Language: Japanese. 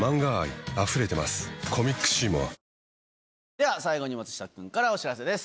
では最後に松下くんからお知らせです。